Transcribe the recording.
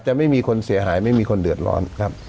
ไม่มีคนเสียหายไม่มีคนเดือดร้อนครับ